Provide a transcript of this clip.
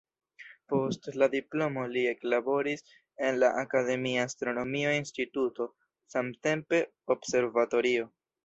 Post la diplomo li eklaboris en la akademia astronomio instituto, samtempe observatorio.